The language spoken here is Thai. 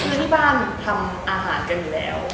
คือที่บ้านทำอาหารกันอยู่แล้ว